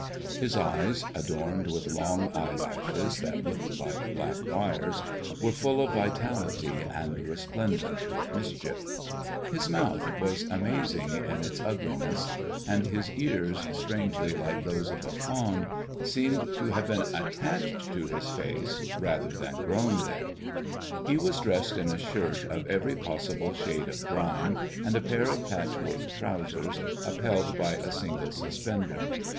His eyes, adorned with long eyelashes that looked like black wires, were full of vitality and resplendent with mischief. His mouth was amazing in its ugliness; and his ears, strangely like those of a faun, seemed to have been attached to his face, rather than to have grown there. He was dressed in a shirt of every possible shade of grime, and a pair of patchwork trousers upheld by a single suspender.